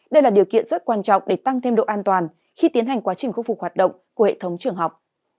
đây là điều kiện rất quan trọng để tăng thêm độ an toàn khi tiến hành quá trình khu phục hoạt động của hệ thống trường học